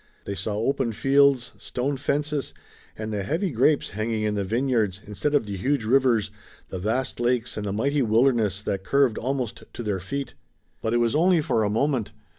They saw open fields, stone fences, and the heavy grapes hanging in the vineyards, instead of the huge rivers, the vast lakes and the mighty wilderness that curved almost to their feet. But it was only for a moment.